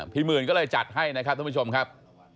หมื่นก็เลยจัดให้นะครับท่านผู้ชมครับ